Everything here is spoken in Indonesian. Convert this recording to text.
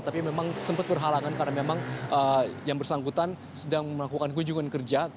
tapi memang sempat berhalangan karena memang yang bersangkutan sedang melakukan kunjungan kerja